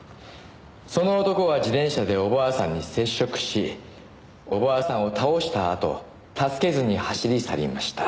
「その男は自転車でお婆さんに接触しお婆さんを倒したあと助けずに走り去りました」